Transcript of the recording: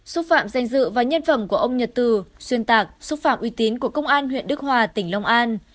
xúc phạm danh dự và nhân phẩm của ông nhật từ xuyên tạc xúc phạm uy tín của công an huyện đức hòa tỉnh long an